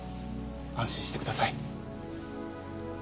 安心してください。